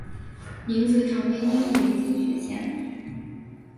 名字常被音译为金雪贤。